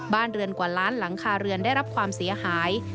บ้านเรือนกว่าล้านหลังคาเรือนได้รับความเสียหาย